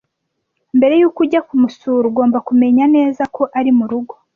Mbere yuko ujya kumusura, ugomba kumenya neza ko ari murugo.